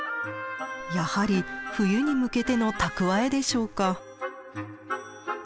やはり冬に向けての蓄えでしょうか。